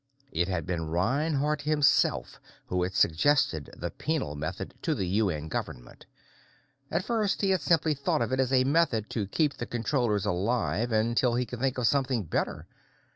It had been Reinhardt himself who had suggested the Penal method to the UN government. At first, he had simply thought of it as a method to keep the Controllers alive until he could think of something better.